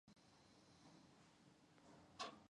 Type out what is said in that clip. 泰勒县是位于美国威斯康辛州中北部的一个县。